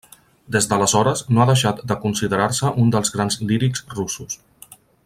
Des d'aleshores, no ha deixat de considerar-se un dels grans lírics russos.